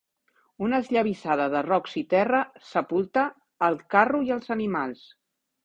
Una esllavissada de rocs i terra sepultà el carro i els animals.